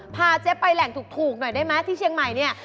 พาเจ๊ไปแหล่งถูกหน่อยได้ไหมที่เชียงใหม่เนี่ย